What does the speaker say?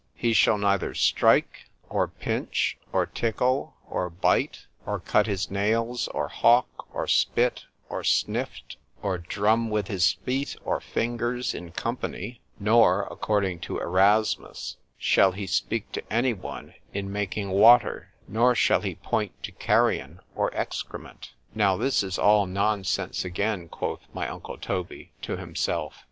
—— He shall neither strike, or pinch, or tickle—or bite, or cut his nails, or hawk, or spit, or snift, or drum with his feet or fingers in company;——nor (according to Erasmus) shall he speak to any one in making water,—nor shall he point to carrion or excrement.——Now this is all nonsense again, quoth my uncle Toby to himself.